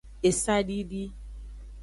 Esadidi.